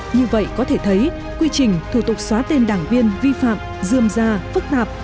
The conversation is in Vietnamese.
như vậy có thể thấy quy trình thủ tục xóa tên đảng viên vi phạm dươm ra phức tạp